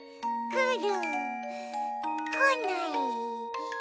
くる。